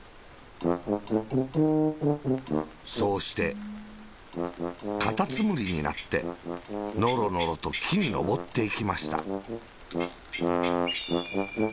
そうして、カタツムリになって、ノロノロときにのぼっていきました。